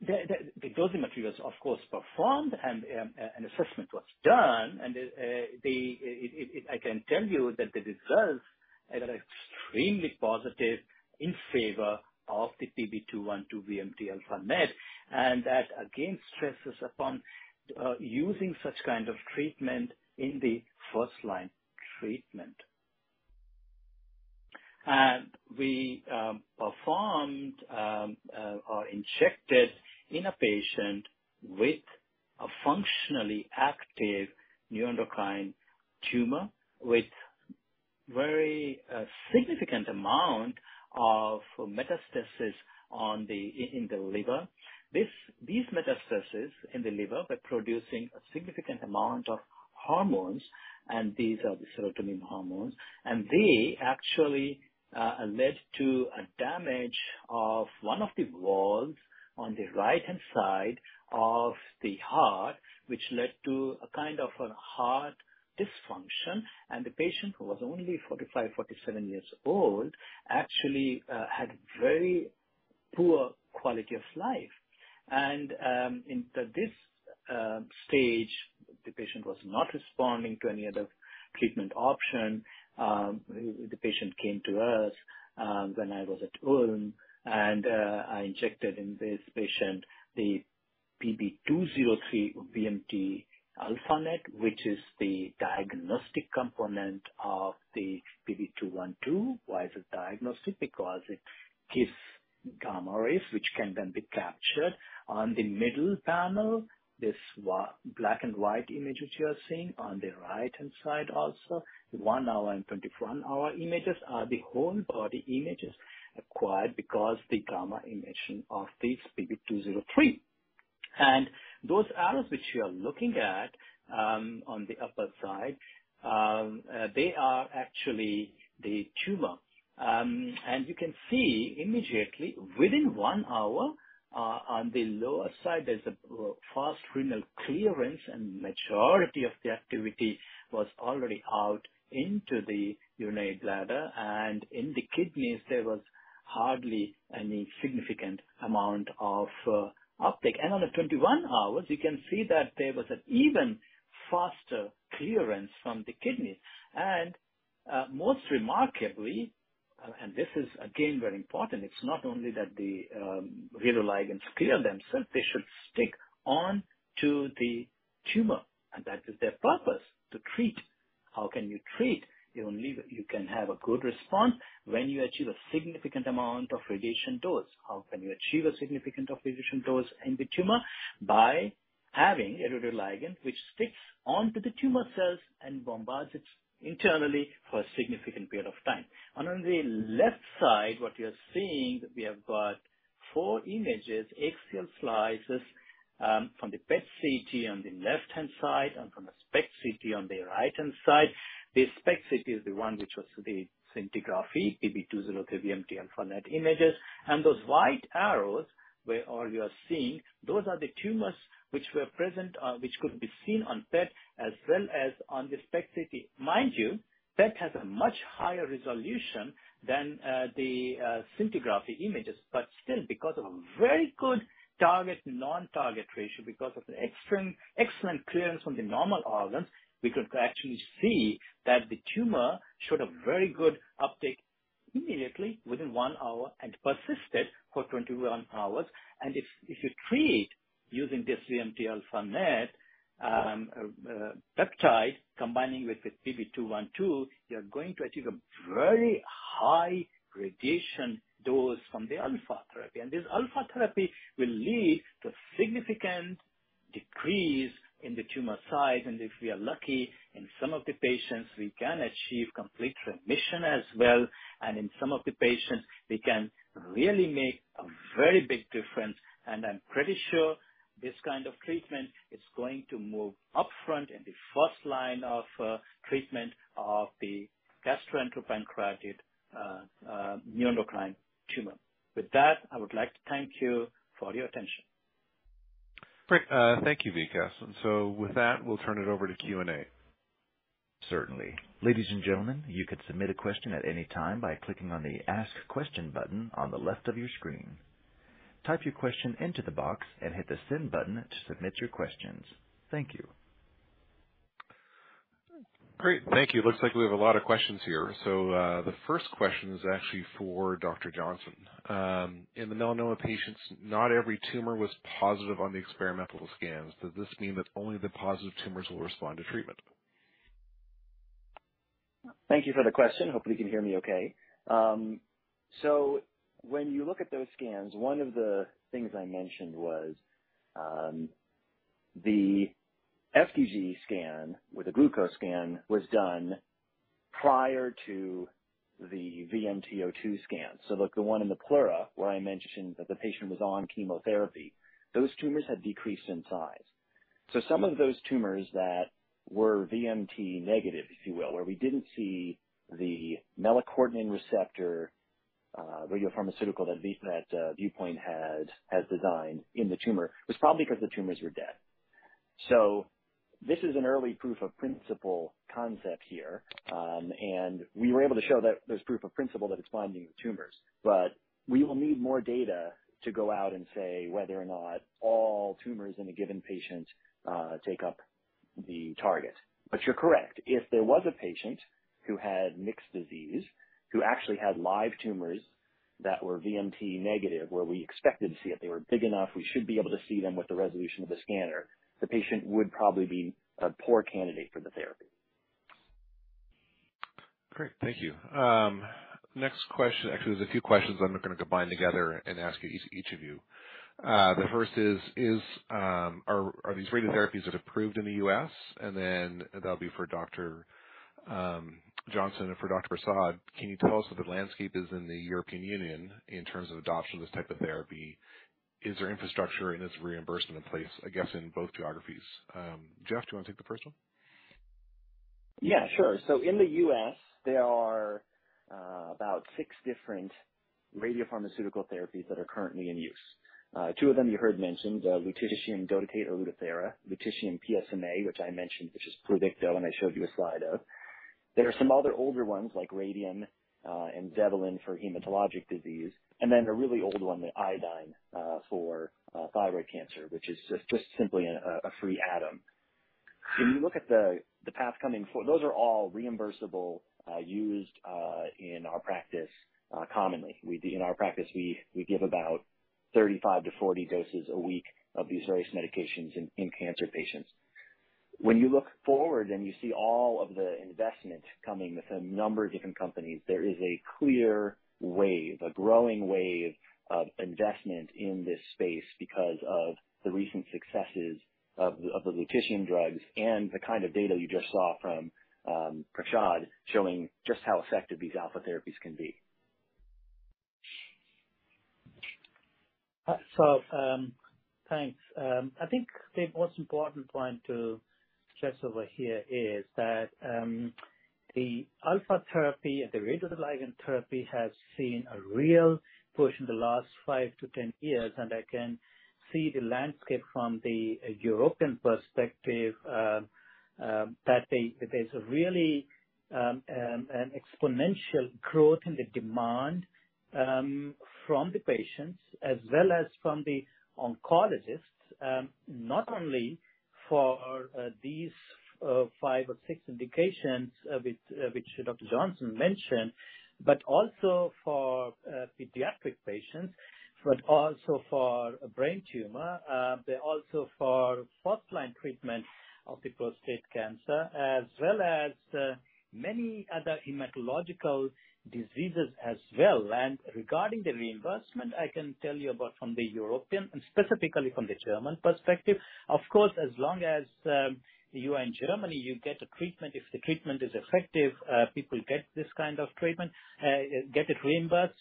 The dosimetry was of course performed and an assessment was done. I can tell you that the results are extremely positive in favor of the Pb-212 VMT-α-NET. That again stresses upon using such kind of treatment in the first-line treatment. We performed or injected in a patient with a functionally active neuroendocrine tumor with very significant amount of metastasis in the liver. These metastases in the liver were producing a significant amount of hormones, and these are the serotonin hormones. They actually led to a damage of one of the valves on the right-hand side of the heart, which led to a kind of a heart dysfunction. The patient, who was only 45, 47 years old, actually, had very poor quality of life. In this stage, the patient was not responding to any other treatment option. The patient came to us when I was at Ulm, and I injected in this patient the Pb-203 VMT-α-NET, which is the diagnostic component of the Pb-212. Why is it diagnostic? Because it gives gamma rays, which can then be captured. On the middle panel, this black and white images you are seeing, on the right-hand side also, the 1-hour and 24-hour images are the whole body images acquired because the gamma emission of the Pb-203. Those arrows which you are looking at on the upper side, they are actually the tumor. You can see immediately within one hour, on the lower side, there's a fast renal clearance, and majority of the activity was already out into the urinary bladder. In the kidneys, there was hardly any significant amount of uptake. On the 21 hours, you can see that there was an even faster clearance from the kidneys. Most remarkably, and this is again very important, it's not only that the radioligands clear themselves, they should stick on to the tumor, and that is their purpose, to treat. How can you treat? You only can have a good response when you achieve a significant amount of radiation dose. How can you achieve a significant of radiation dose in the tumor? By having a radioligand which sticks onto the tumor cells and bombards it internally for a significant period of time. On the left side, what you're seeing, we have got four images, axial slices, from the PET CT on the left-hand side and from the SPECT CT on the right-hand side. The SPECT CT is the one which was the scintigraphy, Pb-203 VMT and from that images. Those white arrows where all you are seeing, those are the tumors which were present, which could be seen on PET as well as on the SPECT CT. Mind you, PET has a much higher resolution than the scintigraphy images. Still, because of a very good target to non-target ratio, because of the extreme excellent clearance from the normal organs, we could actually see that the tumor showed a very good uptake immediately within one hour and persisted for 21 hours. If you treat using this VMT-α-NET peptide combining with the Pb-212, you're going to achieve a very high radiation dose from the alpha therapy. This alpha therapy will lead to significant decrease in the tumor size. If we are lucky, in some of the patients, we can achieve complete remission as well. In some of the patients, we can really make a very big difference. I'm pretty sure this kind of treatment is going to move upfront in the first line of treatment of the gastroenteropancreatic neuroendocrine tumor. With that, I would like to thank you for your attention. Great. Thank you, Vikas. With that, we'll turn it over to Q&A. Certainly. Ladies and gentlemen, you can submit a question at any time by clicking on the Ask Question button on the left of your screen. Type your question into the box and hit the Send button to submit your questions. Thank you. Great. Thank you. Looks like we have a lot of questions here. The first question is actually for Dr. Johnson. In the melanoma patients, not every tumor was positive on the experimental scans. Does this mean that only the positive tumors will respond to treatment? Thank you for the question. Hopefully, you can hear me okay. When you look at those scans, one of the things I mentioned was the FDG scan with a glucose scan was done prior to the VMT-02 scan. Like the one in the pleura where I mentioned that the patient was on chemotherapy, those tumors had decreased in size. Some of those tumors that were VMT negative, if you will, where we didn't see the melanocortin receptor radiopharmaceutical that Viewpoint has designed in the tumor, was probably because the tumors were dead. This is an early proof of principle concept here. We were able to show that there's proof of principle that it's binding with tumors. We will need more data to go out and say whether or not all tumors in a given patient take up the target. You're correct. If there was a patient who had mixed disease, who actually had live tumors that were VMT negative, where we expected to see it, they were big enough, we should be able to see them with the resolution of the scanner, the patient would probably be a poor candidate for the therapy. Great. Thank you. Next question. Actually, there's a few questions I'm gonna combine together and ask each of you. The first is, are these radiotherapies that approved in the U.S.? And then that'll be for Dr. Johnson and for Dr. Prasad, can you tell us what the landscape is in the European Union in terms of adoption of this type of therapy? Is there infrastructure and is reimbursement in place, I guess, in both geographies? Jeff, do you wanna take the first one? Yeah, sure. In the US, there are about six different radiopharmaceutical therapies that are currently in use. Two of them you heard mentioned, lutetium dotatate or Lutathera, lutetium PSMA, which I mentioned, which is Pluvicto, and I showed you a slide of. There are some other older ones like Radium and Zevalin for hematologic disease, and then a really old one, the iodine for thyroid cancer, which is just simply a free atom. Those are all reimbursable, used in our practice commonly. We give about 35-40 doses a week of these various medications in cancer patients. When you look forward and you see all of the investment coming with a number of different companies, there is a clear wave, a growing wave of investment in this space because of the recent successes of the lutetium drugs and the kind of data you just saw from Prasad showing just how effective these alpha therapies can be. Thanks. I think the most important point to stress over here is that the alpha therapy and the radioligand therapy has seen a real push in the last 5-10 years, and I can see the landscape from the European perspective that there's a really an exponential growth in the demand from the patients as well as from the oncologists, not only for these 5 or 6 indications which Dr. Johnson mentioned, but also for pediatric patients, but also for brain tumor, but also for first line treatment of the prostate cancer, as well as many other hematological diseases as well. Regarding the reimbursement, I can tell you about from the European and specifically from the German perspective, of course, as long as you are in Germany, you get a treatment. If the treatment is effective, people get this kind of treatment, get it reimbursed.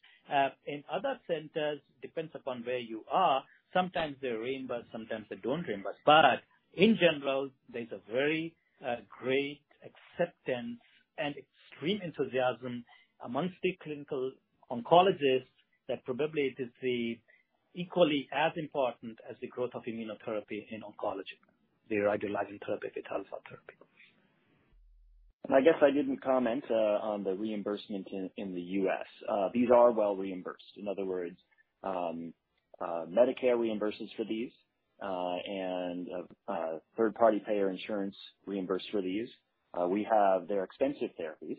In other centers, depends upon where you are, sometimes they reimburse, sometimes they don't reimburse. In general, there's a very great acceptance and extreme enthusiasm amongst the clinical oncologists that probably it is the equally as important as the growth of immunotherapy in oncology, the radioligand therapy, the alpha therapy. I guess I didn't comment on the reimbursement in the U.S. These are well reimbursed. In other words, Medicare reimburses for these, and third-party payers reimburse for these. We have these extensive therapies,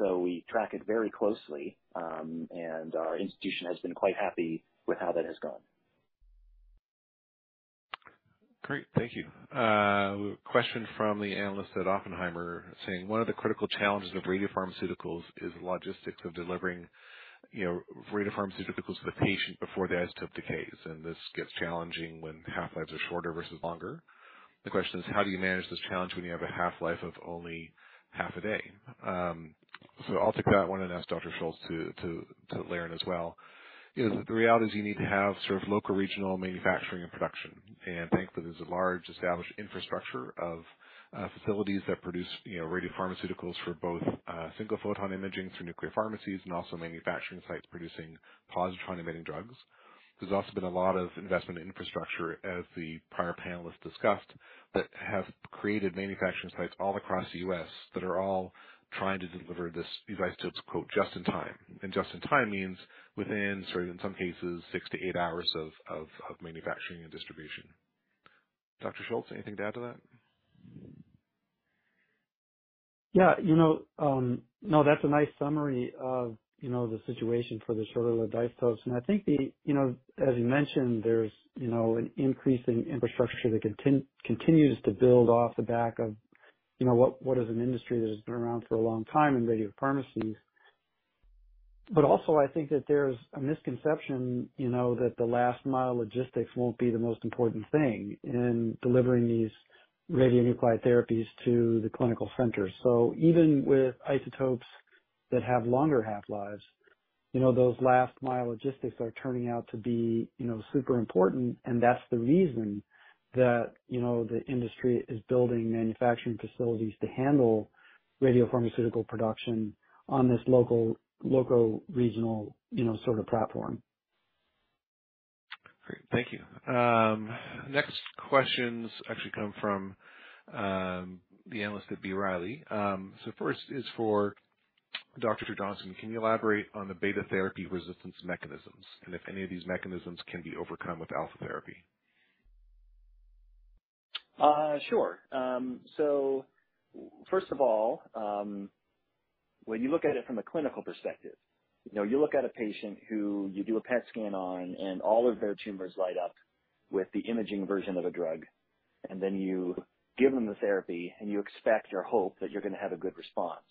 so we track it very closely, and our institution has been quite happy with how that has gone. Great. Thank you. Question from the analyst at Oppenheimer saying, "One of the critical challenges of radiopharmaceuticals is the logistics of delivering, you know, radiopharmaceuticals to the patient before the isotope decays, and this gets challenging when half-lives are shorter versus longer." The question is, how do you manage this challenge when you have a half-life of only half a day? I'll take that one and ask Dr. Schultz to layer in as well. You know, the reality is you need to have sort of local regional manufacturing and production, and thankfully there's a large established infrastructure of facilities that produce, you know, radiopharmaceuticals for both single photon imaging through nuclear pharmacies and also manufacturing sites producing positron emitting drugs. There's also been a lot of investment in infrastructure, as the prior panelists discussed, that have created manufacturing sites all across the U.S. that are all trying to deliver this isotope to quote just in time. Just in time means within sort of in some cases, 6-8 hours of manufacturing and distribution. Dr. Schultz, anything to add to that? Yeah. You know, no, that's a nice summary of, you know, the situation for the shorter-lived isotopes. I think the, you know, as you mentioned, there's, you know, an increase in infrastructure that continues to build off the back of, you know, what is an industry that has been around for a long time in radiopharmacies. Also I think that there's a misconception, you know, that the last mile logistics won't be the most important thing in delivering these radionuclide therapies to the clinical centers. Even with isotopes that have longer half-lives, you know, those last mile logistics are turning out to be, you know, super important, and that's the reason that, you know, the industry is building manufacturing facilities to handle radiopharmaceutical production on this local regional, you know, sort of platform. Great. Thank you. Next questions actually come from the analyst at B. Riley. First is for Dr. Johnson. Can you elaborate on the beta therapy resistance mechanisms, and if any of these mechanisms can be overcome with alpha therapy? Sure. First of all, when you look at it from a clinical perspective, you know, you look at a patient who you do a PET scan on, and all of their tumors light up with the imaging version of a drug, and then you give them the therapy, and you expect or hope that you're gonna have a good response.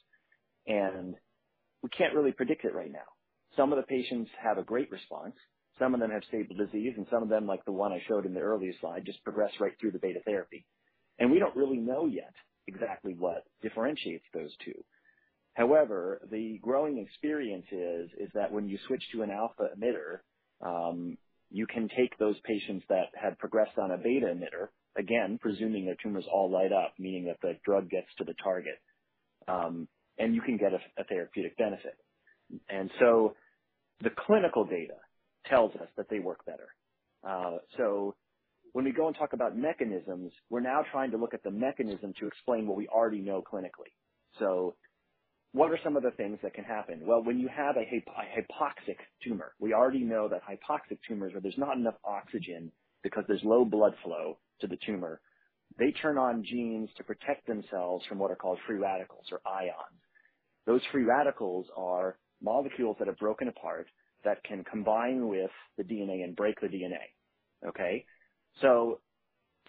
We can't really predict it right now. Some of the patients have a great response, some of them have stable disease, and some of them, like the one I showed in the earlier slide, just progress right through the beta therapy. We don't really know yet exactly what differentiates those two. However, the growing experience is that when you switch to an alpha emitter, you can take those patients that had progressed on a beta emitter, again, presuming their tumors all light up, meaning that the drug gets to the target, and you can get a therapeutic benefit. The clinical data tells us that they work better. When we go and talk about mechanisms, we're now trying to look at the mechanism to explain what we already know clinically. What are some of the things that can happen? Well, when you have a hypoxic tumor, we already know that hypoxic tumors, where there's not enough oxygen because there's low blood flow to the tumor, they turn on genes to protect themselves from what are called free radicals or ions. Those free radicals are molecules that have broken apart that can combine with the DNA and break the DNA. Okay?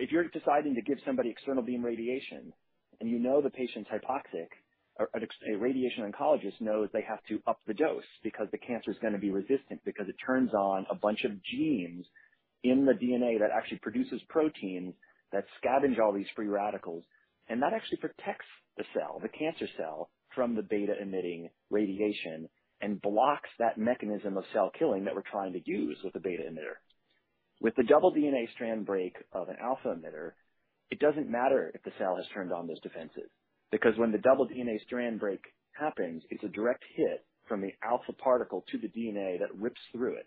If you're deciding to give somebody external beam radiation and you know the patient's hypoxic, a radiation oncologist knows they have to up the dose because the cancer is gonna be resistant because it turns on a bunch of genes in the DNA that actually produces proteins that scavenge all these free radicals. That actually protects the cell, the cancer cell, from the beta emitting radiation and blocks that mechanism of cell killing that we're trying to use with the beta emitter. With the double DNA strand break of an alpha emitter, it doesn't matter if the cell has turned on those defenses, because when the double DNA strand break happens, it's a direct hit from the alpha particle to the DNA that rips through it.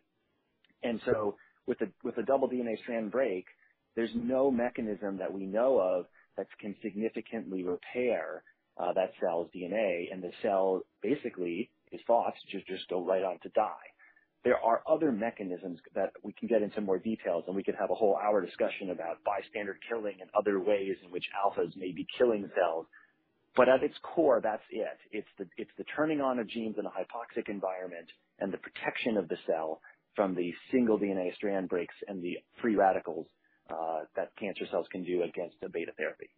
With the double DNA strand break, there's no mechanism that we know of that can significantly repair that cell's DNA, and the cell basically is lost, just go right on to die. There are other mechanisms that we can get into more details, and we can have a whole hour discussion about bystander killing and other ways in which alphas may be killing cells. At its core, that's it. It's the turning on of genes in a hypoxic environment and the protection of the cell from the single DNA strand breaks and the free radicals that cancer cells can do against the beta therapy.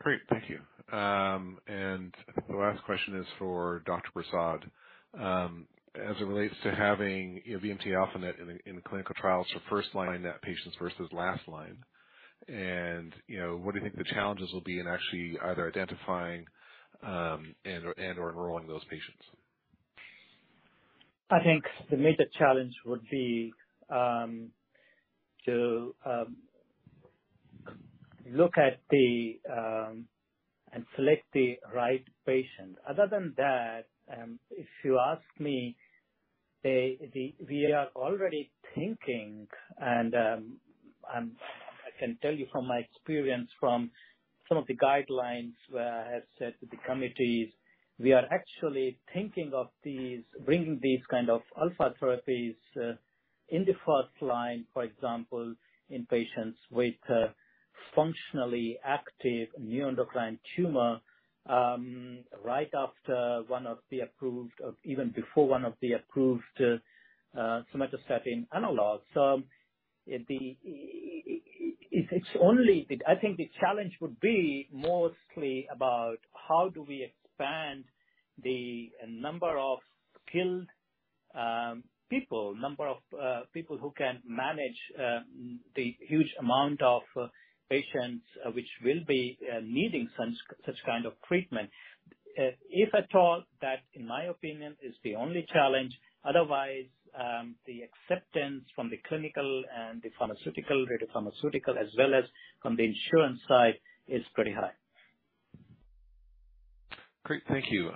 Great. Thank you. The last question is for Dr. Prasad. As it relates to having, you know, VMT-alpha-NET in clinical trials for first-line NET patients versus last-line, you know, what do you think the challenges will be in actually either identifying and/or enrolling those patients? I think the major challenge would be to look at and select the right patient. Other than that, if you ask me, we are already thinking and I can tell you from my experience from some of the guidelines where I have said to the committees, we are actually thinking of these, bringing these kind of alpha therapies in the first line, for example, in patients with a functionally active neuroendocrine tumor right after one of the approved or even before one of the approved somatostatin analog. I think the challenge would be mostly about how do we expand the number of skilled people who can manage the huge amount of patients which will be needing such kind of treatment. If at all, that in my opinion, is the only challenge. Otherwise, the acceptance from the clinical and the pharmaceutical, radiopharmaceutical, as well as from the insurance side is pretty high. Great. Thank you.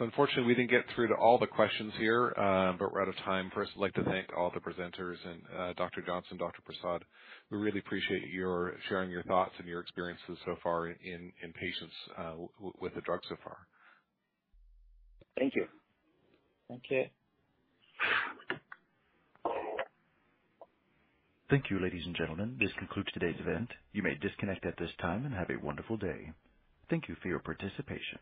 Unfortunately, we didn't get through to all the questions here, but we're out of time. First, I'd like to thank all the presenters and Dr. Johnson, Dr. Prasad. We really appreciate your sharing your thoughts and your experiences so far in patients with the drug so far. Thank you. Thank you. Thank you, ladies and gentlemen. This concludes today's event. You may disconnect at this time and have a wonderful day. Thank you for your participation.